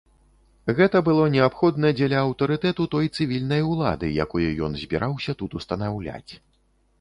Гэта было неабходна дзеля аўтарытэту той цывільнай улады, якую ён збіраўся тут устанаўляць.